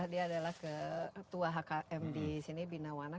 dia adalah ketua hkm di sini bina wanang